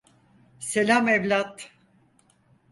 Selam evlat.